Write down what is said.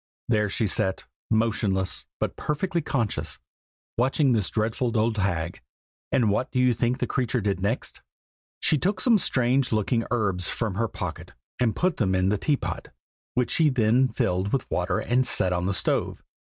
There she sat, motionless, but perfectly conscious, watching this dreadful old hag. And what do you think the creature did next? She took some strange looking herbs from her pocket, and put them in the teapot, which she then filled with water and set on the stove.